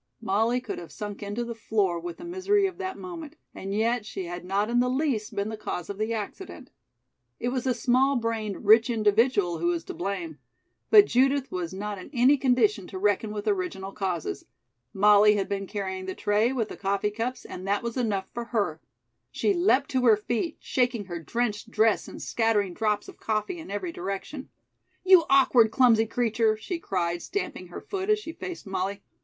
Molly could have sunk into the floor with the misery of that moment, and yet she had not in the least been the cause of the accident. It was the small brained rich individual who was to blame. But Judith was not in any condition to reckon with original causes. Molly had been carrying the tray with the coffee cups and that was enough for her. She leapt to her feet, shaking her drenched dress and scattering drops of coffee in every direction. "You awkward, clumsy creature!" she cried, stamping her foot as she faced Molly.